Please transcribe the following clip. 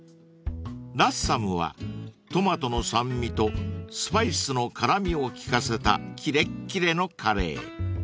［ラッサムはトマトの酸味とスパイスの辛みを利かせたキレッキレのカレー］